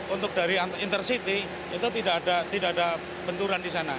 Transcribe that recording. untuk dari intersiti itu tidak ada benturan di sana